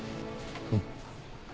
うん。